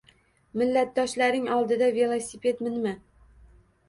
Millatdoshlaring oldida velosiped minma